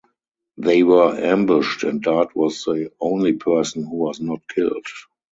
They were ambushed and Dart was the only person who was not killed.